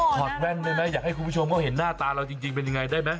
ถอดแว่นได้ไหมอยากให้คุณผู้ชมเขาเห็นหน้าตาเราจริงเป็นยังไงได้ไหม